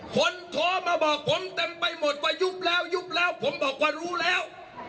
โทรมาบอกผมเต็มไปหมดว่ายุบแล้วยุบแล้วผมบอกว่ารู้แล้ว